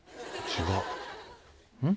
違ううん？